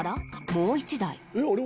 もう１台。